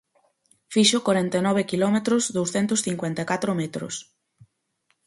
Fixo corenta e nove quilómetros douscentos cincuenta e catro metros.